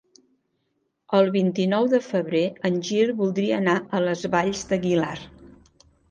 El vint-i-nou de febrer en Gil voldria anar a les Valls d'Aguilar.